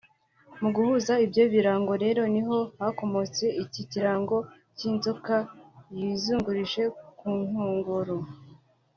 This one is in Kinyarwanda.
Mu guhuza ibyo birango rero ni ho hakomotse iki kirango cy’inzoka yizungurije ku nkongoro